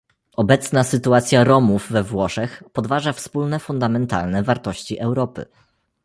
Obecna sytuacja Romów we Włoszech podważa wspólne fundamentalne wartości Europy